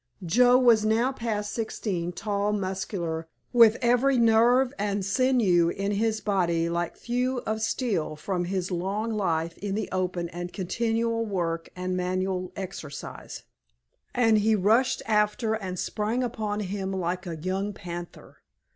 Joe was now past sixteen, tall, muscular, with every nerve and sinew in his body like thews of steel from his long life in the open and continual work and manual exercise, and he rushed after and sprang upon him like a young panther.